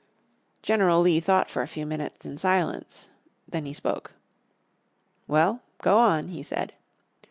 General Lee thought for a few minutes in silence. Then he spoke. "Well, go on," he said.